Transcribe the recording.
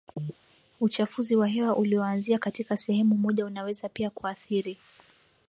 uchafuzi wa hewa ulioanzia katika sehemu moja unaweza pia kuathiri